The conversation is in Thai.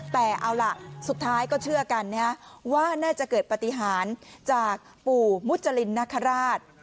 แต่เอาล่ะสุดท้ายก็เชื่อกันว่าน่าจะเกิดปฏิหารจากปู่มุจรินนคราช